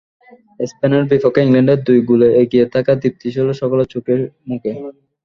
স্পেনের বিপক্ষে ইংল্যান্ডের দুই গোলে এগিয়ে থাকার তৃপ্তি ছিল সকলের চোখে-মুখে।